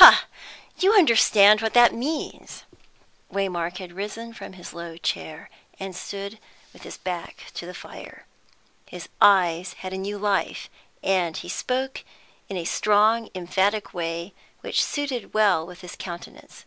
"Ha! you understand what that means!" Waymark had risen from his low chair, and stood with his back to the fire. His eyes had a new life, and he spoke in a strong, emphatic way which suited well with his countenance.